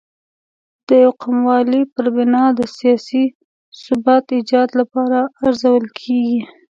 د یو قوموالۍ پر بنا د سیاسي ثبات ایجاد لپاره ارزول کېږي.